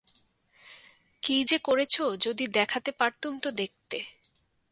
কী যে করেছ যদি দেখাতে পারতুম তো দেখতে।